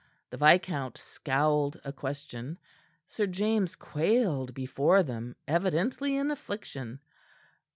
The viscount scowled a question. Sir James quailed before them, evidently in affliction.